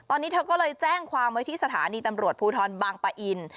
ตอนนี้เธอก็เลยแจ้งความไว้ที่สถานีตำรวจภูทรบางปะอิน